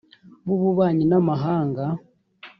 b ububanyi n amahanga